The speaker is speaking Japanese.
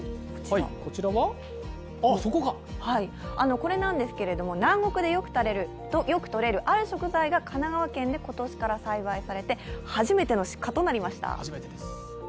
これなんですけれども、南国でよく採れるある食材が神奈川県で今年から栽培されて、初めての出荷となりました。